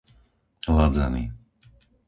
Ladzany